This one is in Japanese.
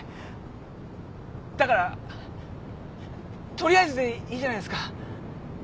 だから取りあえずでいいじゃないですか。